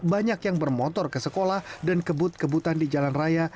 banyak yang bermotor ke sekolah dan kebut kebutan di jalan raya